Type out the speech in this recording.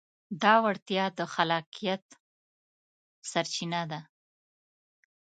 دا وړتیا د خلاقیت سرچینه ده.